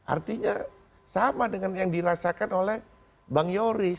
artinya sama dengan yang dirasakan oleh bang yoris